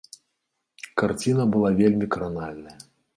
Карціна была вельмі кранальная.